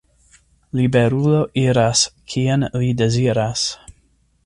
Liberulo iras, kien li deziras!